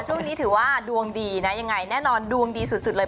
ช่วงนี้ถือว่าดวงดีนะยังไงแน่นอนดวงดีสุดเลย